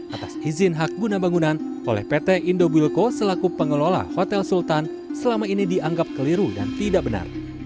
atas izin hak guna bangunan oleh pt indobuilko selaku pengelola hotel sultan selama ini dianggap keliru dan tidak benar